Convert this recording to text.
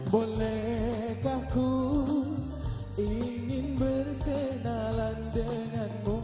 bolehkah ku ingin berkenalan denganmu